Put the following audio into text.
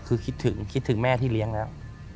คือคิดถึงคิดถึงแม่ที่เลี้ยงแล้ว